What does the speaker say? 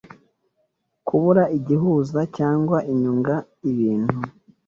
Kubura igihuza cyangwa icyunga ibintu